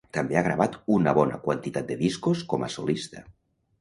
També ha gravat una bona quantitat de discos com a solista.